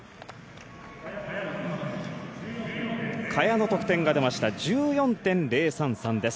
萱の得点が出ました。１４．０３３です。